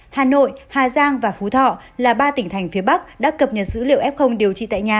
hà nội hà giang và phú thọ là ba tỉnh thành phía bắc đã cập nhật dữ liệu f điều trị tại nhà